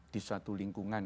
di suatu lingkungan